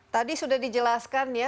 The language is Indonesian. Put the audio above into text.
tadi sudah dijelaskan ya